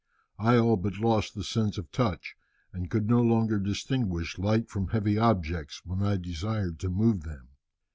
I all but lost the sense of touch, and could no longer distinguish light from heavy objects when I desired to move them.